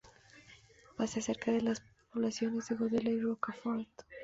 Pasa cerca de las poblaciones de Godella y Rocafort.